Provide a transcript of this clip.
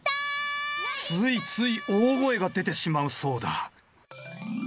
ついつい大声が出てしまうそうだ